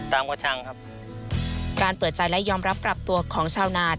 ตามวจชังครับการเปิดจ่ายและยอมรับกรับตัวของชาวนาท